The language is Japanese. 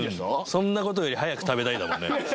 そんなことより早く食べたいんだもんね